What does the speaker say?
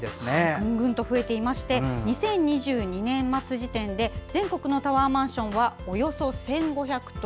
ぐんぐんと増えていまして２０２２年末時点で全国のタワーマンションはおよそ１５００棟。